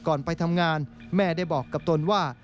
ไปทำงานแม่ได้บอกกับตนว่า